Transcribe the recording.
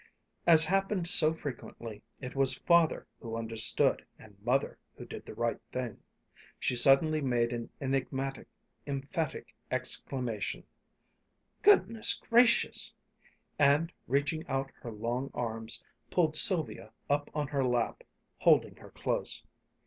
As happened so frequently, it was Father who understood and Mother who did the right thing. She suddenly made an enigmatic, emphatic exclamation, "Goodness gracious!" and reaching out her long arms, pulled Sylvia up on her lap, holding her close.